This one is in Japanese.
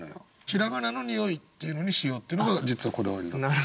平仮名の「におい」っていうのにしようっていうのが実はこだわり。